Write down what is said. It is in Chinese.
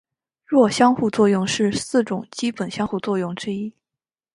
弱相互作用是四种基本相互作用之一。